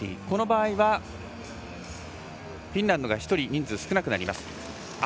この場合はフィンランドが１人人数が少なくなります。